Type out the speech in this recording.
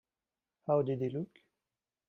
How did he look?